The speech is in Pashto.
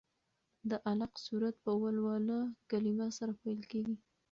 د علق سورت په ولوله کلمې سره پیل کېږي.